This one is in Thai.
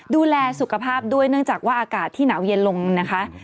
ดูแลสุขภาพด้วยเนื่องจากว่าอากาศที่หนาวเย็นลงนะคะ